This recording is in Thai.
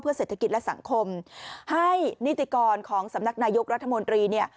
เศรษฐกิจและสังคมให้นิติกรของสำนักนายกรัฐมนตรีเนี่ย